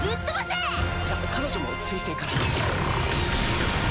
いや彼女も水星から。